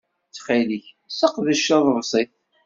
Ttxil-k, seqdec tadebsit!